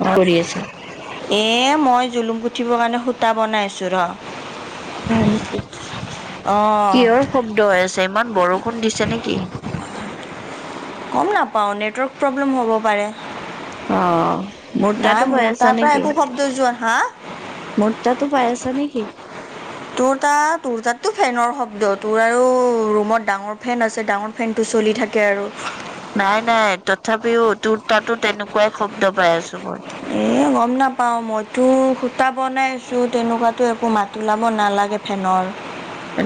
অ কৰি আছে এই মই জুলুম পুঠিবৰ কাৰণে সূতা বনাই আছোঁ ৰ অঁ কিহৰ শব্দ হৈ আছে ইমান বৰষুণ দিছে নেকি গম নাপাওঁ নেটৱৰ্ক প্ৰব্লেম হ'ব পাৰে অ মোৰ তাতো নাই পাই মোৰ আছা তাৰ পৰা নেকি একো শব্দ যোৱা হা মোৰ তাতো পাই আছা নেকি? তোৰ তাত তোৰ তাততো ফেনৰ শব্দ তোৰ আৰু ৰুমত ডাঙৰ ফেন আছে ডাঙৰ ফেনটো চলি থাকে আৰু নাই নাই তথাপিও তোৰ তাতো তেনেকুৱাই শব্দ পাই আছো মই এ গম নাপাওঁ মইতো সূতা বনাই আছো তেনেকুৱাতো একো মাত লাব নালাগে ফেনৰ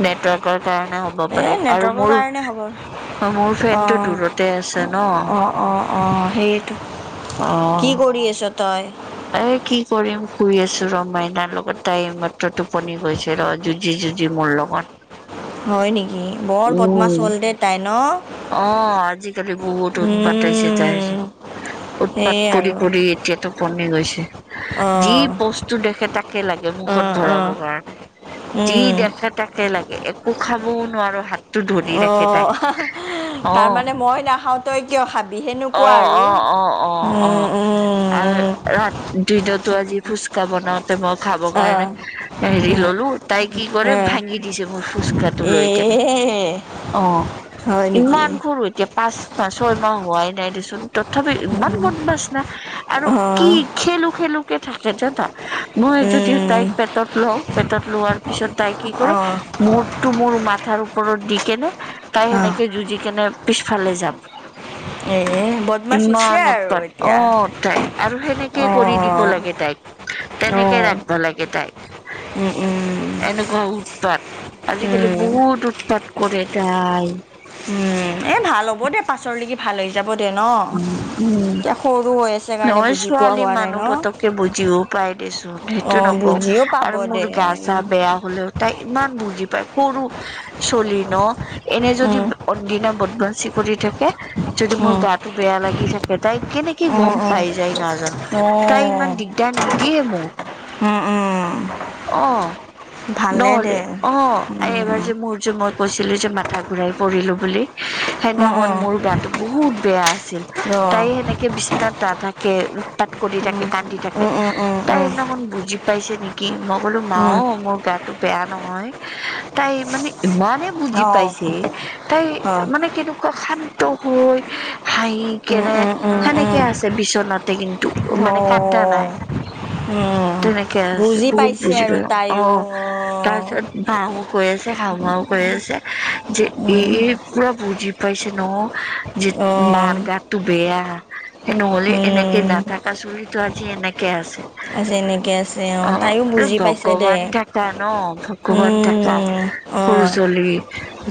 নেটৱৰ্কৰ কাৰণে হ'ব পাৰে এই আৰু নেটৱৰ্কৰ মোৰ কাৰণে হ'ব অ', মোৰ ফেনটো অঁ দূৰতে আছে ন অঁ অঁ অঁ সেইটো কি অ' কৰি আছ তই এ কি কৰিম শুই আছো ৰ মাইনাৰ লগত টাই মাত্ৰ টোপনি গৈছিল ৰ যুঁজি যুঁজি মূল্যৱান হয় নেকি বৰ পদ্মাছ হ'ল দে তাই ন অ', আজিকালি বহুত উৎপাতছে তাইৰ উৎপাত সেয়ে কৰি আৰু কৰি এতিয়াতো পমি গৈছে যি অঁ বস্তু দেখে তাকে লাগে মুখত অঁ অঁ ভৰাবৰ কাৰণে যি দেখে তাকে লাগে একো খাবও নোৱাৰো হাতটো ধৰি ৰাখে অঁ তাই অ তাৰমানে মই নাখাওঁ তই কিয় অ খাবিহেনুৱা আৰু অ ৰা দিনতো আজি ফুচকা বনাওঁতে মই খাবৰ কাৰণে হেৰি ললো তাই কি কৰে ভাঙি দিছে মোৰ ফুচকাটো এ লৈ কেনে অ [unintelligible] নেকি ইমান সৰু এতিয়া পাঁচ মাহ ছয়মাহ হোৱাই নাই দেচোন ত তথাপি ইমান মন বাছনা আৰু কি অঁ খেলো খেলোকে থাকে জাদা মই যদি তাইক পেটত লওঁ পেটত লোৱাৰ পিছত তাই কি কৰে অঁ মোৰ ত মোৰ মাথাৰ ওপৰত দি কেনে তাই অঁ সেনেকে যুঁজি কেনে পিছফালে যাব এ বদমাছ হৈছে ইমান আৰু উৎপাত এতিয়া অ', তাই আৰু সেনেকে কৰি দিব অঁ লাগে তাইক তেনেকে ৰাখিব লাগে তাইক এনেকুৱা উৎপাত আজিকালি অঁ বহুত উৎপাত কৰে তাই। উম, এ ভাল হ'ব দে পাছৰলৈকি। উ, এতিয়া সৰু হৈ আছে কাৰণে নহয় বুজি পোৱা ছোৱালী হোৱা নাই মানুহ ন? পতককে বুজিওক। [unintelligible] দিছো সেইটো অ' নকওঁ বুজিও পাব আৰু মোৰ দে গা চা উম, বেয়া। হ'লেও তাই ইমান বুজি পায় সৰু চলি ন এনে যদি উম, অন দিনা বদবঞ্চি কৰি থাকে যদি মোৰ উম, গাত টো বেয়া লাগি থাকে তাই কেনেকে উম, গম পাই যায় নাজানো অ' তাই ইমান দিগদাৰ নিদিয়ে মোক। উম, উম, আহ। ভালে নহলে দে অ, এবাৰ যে মোৰ যে মত কৈছিলো যে মাথা ঘুৰাই পৰিলো বুলি উম, সেদিখনন উম, মোৰ গো বহুত বেয়া আছিল অ' তাই সেনেকে বিচনা নাথাকে। তাত কৰি থাকে, কান্দি থাকে, উম, উম, উম, তাই উম, সদিনাখনণ বুজি পাইছে নেকি। কি মই ক'লো উম, মাও মোৰ গাতটো বেয়া নহয় তাই মানে ইমানেই অ' বুজি অ' পাইছে তাই মানে উম, কেনেকুৱা শান্ত হৈ হাঁহি কেনে, উম, উম, সেনেকে উম, আছে বিচনাতে কিন্তু অ' মানে কটা নাই। উম, তেনেকে আছে বুজি বহুত পাইছে বুজ প আৰু তাইও আহ অ' তাৰপিছত হ, কৈ আছে, খাহাও কৈ আছে যে ই পুৰা বুজি পাইছে ন যে অ' মাৰ গাত তটো বেয়া। স, নহ'লে এনেকে উম। নাথকা চুলিতো আজি এনেকে আছে। আছে এনেকে আছে অ, তাইও বুজি পাইছে দে ভগৱান থকা ন ভগৱান থকা। উম অ সৰু ছোৱালী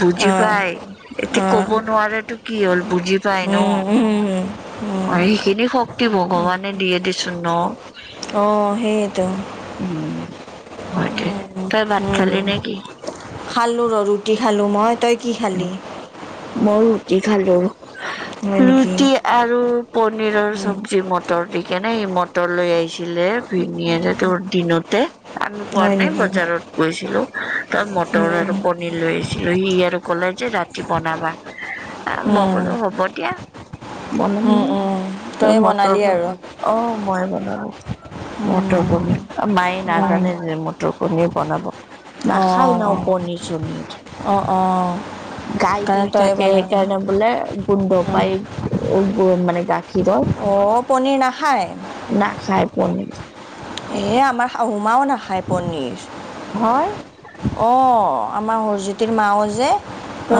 বুজি অ পাই এতিয়া অ কব নোৱেতটো কি হ'ল বুজি যাই ন উম উম উম সেইখিনি শক্তি ভগৱানে দিয়ে দিচোন ন। অ, সেইটো। উ, হয় তই ভাত খালি নেকি? খালোঁ ৰ-ৰুটি খালোঁ মই তই কি খালি মই ৰুটি খালো হয় নেকি ৰুটি। আৰু পনীৰৰ চব্জি মটৰ দি কেনে মটৰ লৈ আহিছিলে। ভিনিয়ৰে তোৰ দিনোতে আমি কোৱা হয় নাই নেকি উম বজাৰত গৈছিলো তাৰ মটৰ আৰু পনিৰ লৈ আহিছিলো সি আৰু ক'লে যে ৰাতি বনাবা মই উম ক'লো হ'ব দিয়া। বনাম উম উম আৰু তই মটৰ বনালি আৰু অ, মই বনালো উম মতপণ মায়ে উম নাজানে যে ম ৰ, কণিৰ বনাব অ নাখাই ন পনীৰ-চনিৰ অ', অ'। গাই কাৰণে ধুই তই থাকে বনালা সেইকাৰণে বোলে গোন্ধ পাই মানে গা অ, পনীৰ নাখায়। না খাই পনিৰ। এই আমাৰ শাহুমাও নাখায় পনীৰ। হয়। অ, আমাৰ হৰজ্যোতিৰ মা যে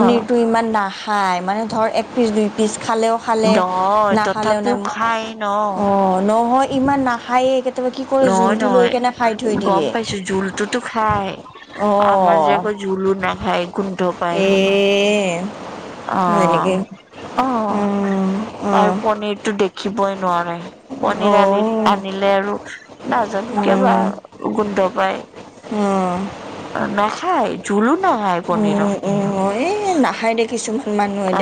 অ ইমান না খাই মানে ধৰ এক পিচ, দুই পিচ খালেও খালে নহয় নাখালেও তথাপিও নাই খাই ন অ, নহয় ইমান নাখায়েই কেতিয়াবা কি কৰে নহয়, জোলটো লৈ নহয় কেনে খাই থৈ গম দিয়ে পাইছো জোলটোতো খাই আমাৰ অঁ জেগা জোলো নাখায় গোন্ধ পায় বোলে। এ হয় নেকি অ', অ', আৰু পনীৰটো দেখ ৰাকিবই নোৱাৰে পনিৰ অঁ আন, আনিলে আৰু নাজানো কিয়বা গোন্ধ পায়। উম। নাখায় যোলো নাখায় পনিৰৰ। খাই দেখছঁমান।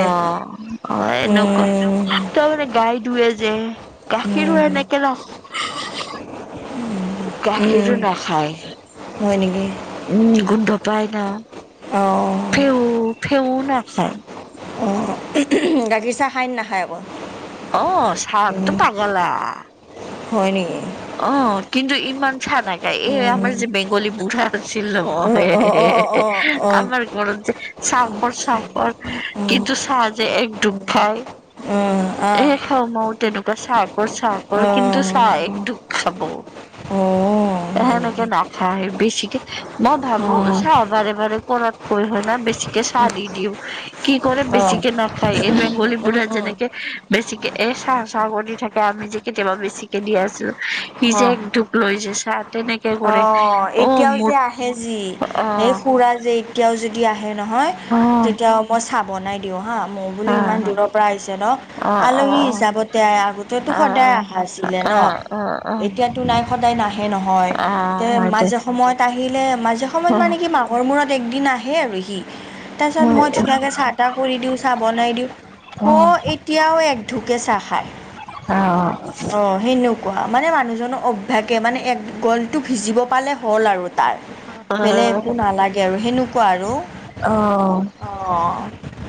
অ, অ, হয় এনেকুৱা উম তাৰ মানে গাই ধোৱে যে গাখীৰো উম এেনেকে না উম গাখীৰো নাখায়। হয় নেকি। উম, গোন্ধ পাই ন অ, ফেও নাখায়। অ, [unintelligible] গাখীৰ চাহ খাইন নাখায় আকৌ। অ, চাহ তটো পাগলা হয় নিকি। অ, কিন্তু ইমান চাহ নাগা এই আমাৰ যে বেংগলী বুঢ়া। ছিল অঁ অঁ অঁ অঁ অঁ অঁ আমাৰ যে চাকৰ চাকৰ কিন্তু চাহাজে একডুক খায়। উম, অ, খ, ময় তেনেকুৱা চাহ কৰ চাহ কৰ কিন্তু অঁ চাহ এক ধপ খাব। অঁ হয় সেনেকে নেকি নাখায় বেছিকে মই ভাবো অঁ চাওঁ বাৰে বাৰে কৰাত। মই হয় নে বেছিকৈ চাহ দি দিওঁ। কি কৰে অঁ বেছিকৈ না খায়। এই বেংগলী বো়ৰে যেনেকৈ বেছিকে এই চাহ চাহ কৰি থাকে। আমি যে কেতিয়াবা বেছিকে দি আছোঁ - সি যে অঁ এক ধুক লৈ যে চাহ তেনেকৈ কৰে। অ, এতিয়াও যে আহে যি, অ এই খুৰা যে এতিয়াও যদি আহে নহয়, অ তেতিয়াও মই চাহ বনাই দিওঁ হা। মই বোলো অ ইমান দিনৰ পৰা আহিছে ন? অ অ আলহী হিচাপতে আহে আগতে তেতো অ অ অ সদায় অহা আছিলে। অ অ অ এতিয়াতো নাই, সদায় নাহে নহয় অ হয় দে মাজে সময়ত আহিলে মাজে সময়ত অ', মানে কি, মাহৰ মূৰত একদিন আহে আৰু সি। তাৰপিছত মই ধুনীয়াকৈ চাহ টাহ কৰি দিওঁ, চাহ বনাই দিওঁ। অ' এতিয়া এতিয়া আৰু এক ঢোকহে চাহ খায়। অ, অ' সেনেকুৱা মানে। মানুহজনৰ অভ্যাসে মানে। এক গলটো ভিজিব পালে হ'ল আৰু। তাৰ। বেলেগ একো আৰু নালাগে আৰু। সেনেকুৱা আৰু, অ,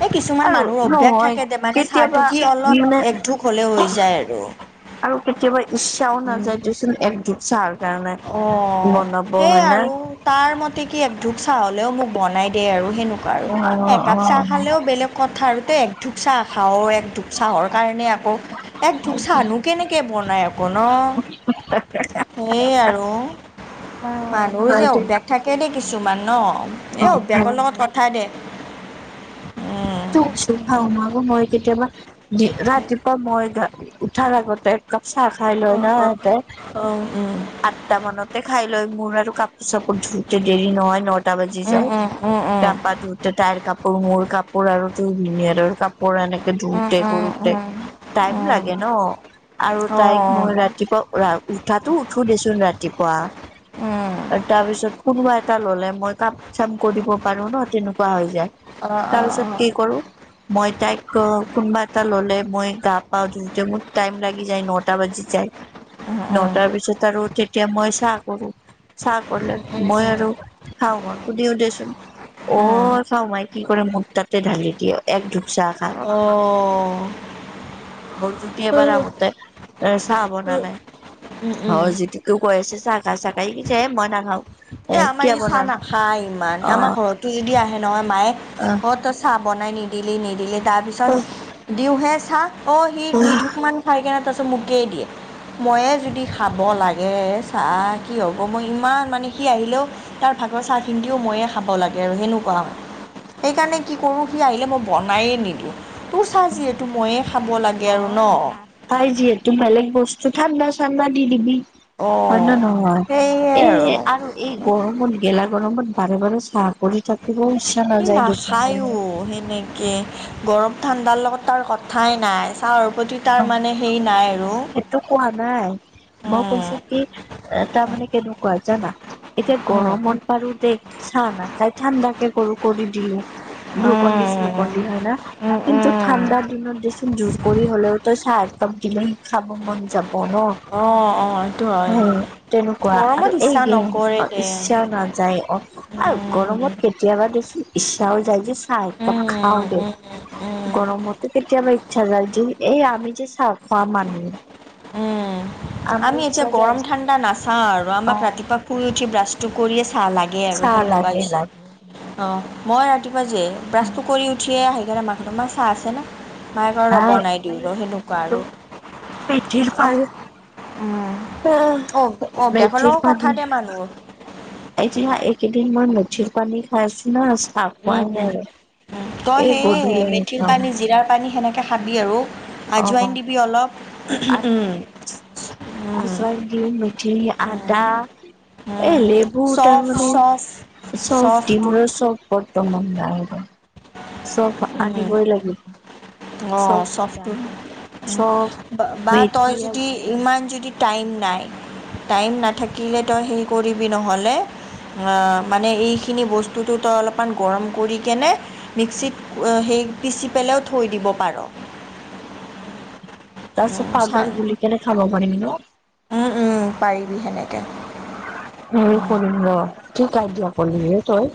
এই কিছুমান মানুহৰ অভ্যাস নহয় থাকে দে। মানে, চাহটো কেতিয়াবা কি অলপ মানে এক ঢোঁক হলে হৈ যায় আৰু। আৰু কেতিয়াবা ইচ্ছাও উম। নাযায় দেচোন, একঢোক চাহৰ কাৰণে অ', বনাব। সেই হয় নে? আৰু তাৰ মতে কি এক ঢোক চাহ হলেও অ', অ', কথা আৰু। এক ঢোক চাহ খাও। এক ঢোক চাহৰ কাৰণে আকৌ এক ঢোক চাহ আনো কেনে কে বনায় আকৌ ন? [inaudible] সেই আৰু। মানুহ যে এই হয়টো অভ্যাসৰ লগত কথাই দে। উম, বস্তু খাও নহয়। আকৌ মই কেতিয়াবা দি ৰাতিপুৱা মই গা উঠাৰ আগতে কাপ চাহ খাই লয় না ইহঁতে। উম, আঠটা মানতে খাই লয়। মোৰ আৰু কাপোৰ চাপোৰ ধুওঁতে দেৰি নহয়, নটা বাজি উম, যায়। উম, উম, গা উম। পা ধুওতে তাইৰ কাপোৰ, মোৰ কাপোৰ আৰু তোৰ ভিনিয়েৰৰ কাপোৰ। পৰা এনেকে উম, ধোওতে উম, কৰোতে উম, টাইম উম, লাগে ন। আৰু অ', তাইক মই ৰাতি পুৱা ৰা উঠাতো উঠো দেচোন ৰাতিপুৱা উম। আৰু তাৰ পিছত কোনোবা এটাই ললে মই কাম চাম কৰিব পাৰো ন। তেনেকুৱা হৈ যায়। অ', তাৰ অ', পিছত অ', কি কৰো? মই তাইক অ' কোনোবা এটাই ল'লে মই গা পা ধুওতে মোৰ টাইম লাগি যায়, নটা বাজি যায়। উম, উম, নটাৰ পিছত আৰু তেতিয়া মই চাহ কৰো। চাহ কৰিলে উম, উম, মই উম। আৰু খাওঁ মই। সুধেও দেচোন অ' উম। চাও মাই কি কৰে, মোৰ তাতে ঢালি দিয়ে এক ঢোক চাহ খা। অ', ঘৰ জুতি এবাৰ আহোতে এ চাহ বনালে। উম, উম। অ' যিটো তো কৈ আছে চাহ খা চাহ খা। পিছে মই নাখাও। এই আমাৰ ই্ চাহ নাখায় ইমান। আমাৰ ঘৰতো যদি আহে নহয় মায়ে অহ। তই চাহ বনাই নিদিলি নিদিলি। তাৰপিছত দিওঁহে চাহ অ' সি দুই ঢোকমান খাই কেনে তাৰপিছত মোকেই দিয়ে। ময়েই যদি খাব লাগে চাহ কি হ'ব? মই ইমান মানে সি আহিলেও তাৰ ভাগৰ চাহখিনিও ময়েই খাব লাগে আৰু তেনেকুৱা। সেইকাৰণে কি কৰোঁ সি আহিলে মই বনায়েই নিদিওঁ। তোৰ চাহ যিহেতু ময়েই খাব লাগে আৰু ন। নহয় না তাই যিহেতু বেলেগ বস্তু ঠাণ্ডা চাণ্ডা দি নিকি? অ'। ন নহয়। এ আৰু এই গৰমত গেলা গৰমত বাৰে বাৰে চাহ কৰি থাকিব ইছ সি নাখায়ও নেকে কি গৰম ঠাণ্ডাৰ লগত তাৰ কথাই নাই। চাহৰ প্ৰতি তাৰ অ' মানে হেৰি নাই আৰু মই সেইটো কোৱা নাই মই কৈছো কি এ তাৰমানে কেনেকুৱা জানা এতিয়া গৰমত পাৰো দে চাহ নাখাই ঠাণ্ডা কে গলো কৰি দিলো। গ্লোকন ডি শ্লুকণ দি হয় না কিন্তু ঠাণ্ডাৰ দিনত দেছোন জোৰ কৰি হলেও তই চাহ একাপ দিলে খাব মন যাব ন। অঁ অঁ সেইটো উ হয় তেনেকুৱা গৰমত আৰু এই ইচ্ছা গেম নকৰে দে ইচ্ছা নাযায় আও উম গৰমত কেতিয়াবা দেছোন ইচ্ছাও যায় যে চাহ কাপ খাও উম উম দে উম গৰমটো কেতিয়াবা ইচ্ছা যায় দে এই আমি যে চাহ খোৱা মানুহ। উম আমাৰ আমি ইচ্ছা এতিয়া যায় গৰম ঠাণ্ডা নাচাওঁ আৰু অ আমাক ৰাতিপুৱা শুই উঠি ব্ৰাছটো কৰিয়ে চাহ লাগে। গে আৰু চাহ সেনেকুৱা লাগে হৈছে। লাগে অ' মই ৰাতিপুৱা যে ব্ৰাছটো উম কৰি উঠিয়ে আহি কেনি মাঁহতক মাঁ চাহ আছে নে। মায়ে কয় আৰু ৰ নাই বনাই দিও মই ৰ এইকেইদিন সেনেকুৱা আৰু। মেথিৰ পানী উ, অ' অভ্যাস মেথিৰ লগত কথা পানী দে মানুহৰ। এতিয়া একেদিন মই মিচ্ছিৰ পানী খাই আছো নাছ উম, উম, তই সেই গধূলি মেথিৰ খাম পানী জিৰাৰ পানী সেনেকে খাবি আৰু অ আজোৱাইন দিবি অলপ। উম, আজোৱাইন দি মেঠি আদা এ উম। লেবু চফ চফ তাৰমানে চব ডিম চফটো চব বৰ্তমান নাই ঘৰত চব উম, আনিবই লাগিব অ' চব চফটো চ বা বেছি তই যদি আছে। ইমান যদি টাইম নাই টাইম নাথাকিলে তই হেৰি কৰিবি নহ'লে মানে এইখিনি বস্তুটো তই অলপমান গৰম কৰি কিনে মিক্সিত সেই পিচি পেলাইও থৈ দিব পাৰ। তাৰ পিছত পাউদাৰ গুলি কেনে খাব পাৰিম ন। উম, উম, পাৰিবি সেনেকে। হেৰি কৰিম ৰ ঠিক আইদিয়া কলি হে তই।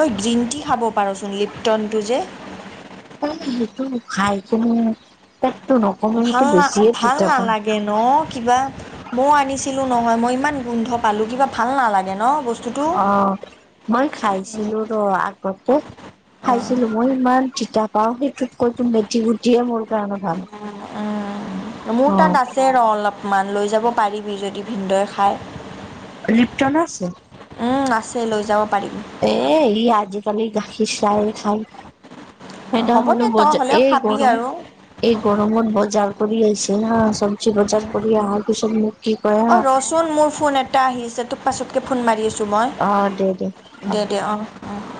তই গ্ৰীণ টি খাব পাৰচোন লিপটনটো যে। এ সেইটো খাইকিনি পেটটো নকমে সতে বেছিয়ে আনইণ্টেলিজিবল। কেন। কিবা মইও আনিছিলো নহয় মই ইমান গোন্ধ পালো কিবা ভাল নালাগে ন বস্তুটো। অ মই খাইছিলো ৰ আগতে। খাইছিলো মই ইমান তিতা পাও সেইটোত কৈতো মেথি গুটিয়ে মোৰ কাৰণে ভাল। উম, মোৰ অ তাত আছে ৰ অলপ মান লৈ যাব পাৰিবি যদি ভিনদেউয়ে খায়। লিপটনো আছে। উম, আছে লৈ যাব পাৰিবি। এ ই আজিকালি গাখীৰ চাহে খায়। হ'ব সেইদিনাখনো দে তই বজা হ'লেও এই খাবি গৰম। আৰু এই গৰমত বজাৰ কৰি আহিছে হা চবজি বজাৰ কৰি আহাৰ পিছত মোক কি কয় হা অ', ৰ' চুন মোৰ ফোন এটা আহিছে পাছতকে ফোন মাৰি আছোঁ মই অ দে দে হ'ব দে দে অঁ', অঁ'।